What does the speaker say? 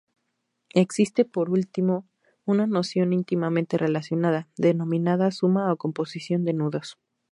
Existe por último una noción íntimamente relacionada, denominada suma o composición de nudos.